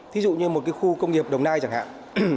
thí dụ như một cái khu công nghiệp đồng nai chẳng hạn